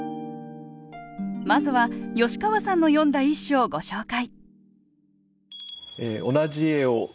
まずは吉川さんの詠んだ一首をご紹介